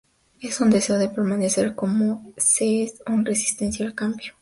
Es un deseo de permanecer como se es; una resistencia al cambio.